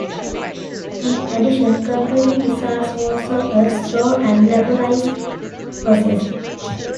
In addition, computing results was a slow and laborious process.